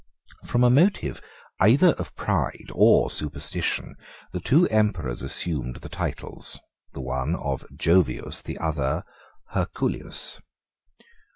8 From a motive either of pride or superstition, the two emperors assumed the titles, the one of Jovius, the other of Herculius.